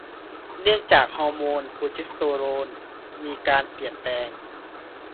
เนื่องจากฮอร์โมนโปรเจสเตอโรนมีการเปลี่ยนแปลง